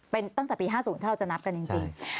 เป็นตั้งแต่ปี๕๐ถ้าเราจะนับกันจริง